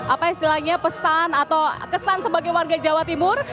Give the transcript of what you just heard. apa istilahnya pesan atau kesan sebagai warga jawa timur